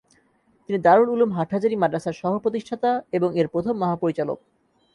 তিনি দারুল উলুম হাটহাজারী মাদ্রাসার সহপ্রতিষ্ঠাতা এবং এর প্রথম মহাপরিচালক।